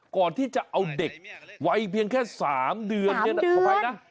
ก่อนที่จะเอาเด็กไวเพียงแค่๓เดือน๓เดือน